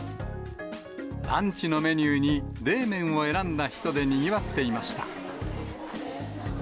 ランチのメニューに冷麺を選んだ人でにぎわっていました。